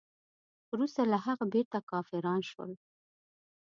وروسته له هغه بیرته کافران شول.